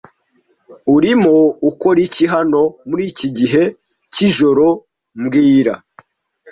Urimo ukora iki hano muri iki gihe cyijoro mbwira